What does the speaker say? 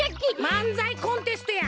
まんざいコンテストや！